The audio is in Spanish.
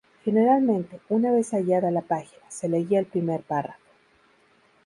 Generalmente, una vez hallada la página, se leía el primer párrafo.